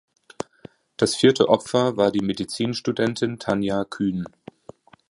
Das vierte Opfer war die Medizinstudentin Tanja Kühn.